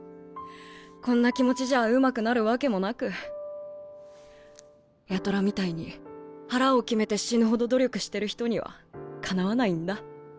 こんな気持ちじゃうまくなるわけもなく八虎みたいに腹を決めて死ぬほど努力してる人にはかなわないんだ。